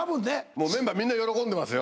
もうメンバーみんな喜んでますよ。